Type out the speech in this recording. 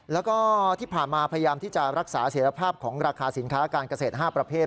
แล้วก็ที่ผ่านมาพยายามที่จะรักษาเสร็จภาพของราคาสินค้าการเกษตร๕ประเภท